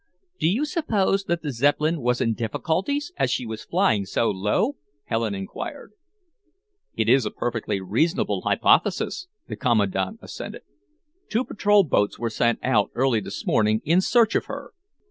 "Do you suppose that the Zeppelin was in difficulties, as she was flying so low?" Helen enquired. "It is a perfectly reasonable hypothesis," the Commandant assented. "Two patrol boats were sent out early this morning, in search of her.